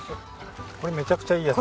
これめちゃくちゃいいやつ。